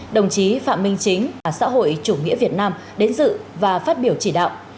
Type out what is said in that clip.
đồng chí phạm minh chính xã hội chủ nghĩa việt nam đến dự và phát biểu chỉ đạo